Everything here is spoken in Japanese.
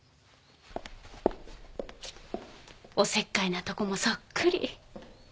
おせっかいなとこもそっくり。